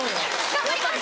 頑張ります！